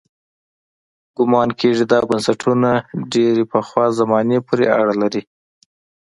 ګومان کېږي دا بنسټونه ډېرې پخوا زمانې پورې اړه لري.